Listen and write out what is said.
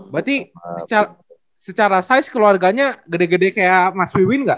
berarti secara size keluarganya gede gede kayak mas piwin nggak